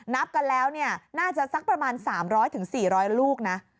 นับกันแล้วน่าจะสักประมาณ๓๐๐๔๐๐ลูกนะ